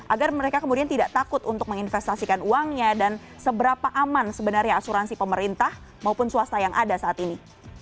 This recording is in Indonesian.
agar mereka kemudian tidak takut untuk menginvestasikan uangnya dan seberapa aman sebenarnya asuransi pemerintah maupun swasta yang ada saat ini